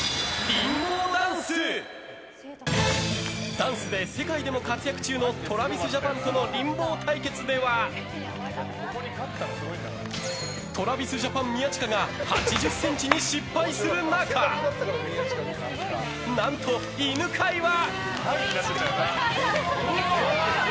ダンスで世界でも活躍中のＴｒａｖｉｓＪａｐａｎとのリンボー対決ではＴｒａｖｉｓＪａｐａｎ宮近が８０ｃｍに失敗する中なんと犬飼は。